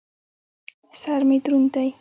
سر مې دروند دى.